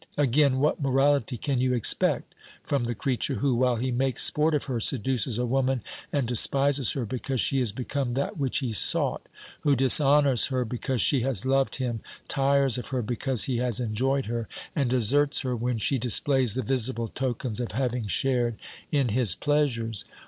Again, what morality can you expect from the creature who, while he makes sport of her, seduces a woman and despises her because she has become that which he sought, who dishonours her because she has loved him, tires of her because he has enjoyed her, and deserts her OBERMANN 267 when she displays the visible tokens of having shared in his pleasures